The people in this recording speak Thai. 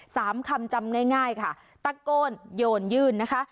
คำจำง่ายง่ายค่ะตะโกนโยนยื่นนะคะ